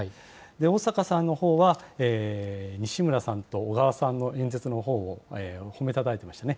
逢坂さんのほうは、西村さんと小川さんの演説のほうも褒めたたえてましたね。